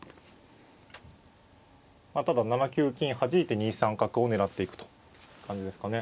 まあただ７九金はじいて２三角を狙っていくと感じですかね。